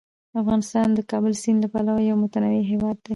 افغانستان د کابل سیند له پلوه یو متنوع هیواد دی.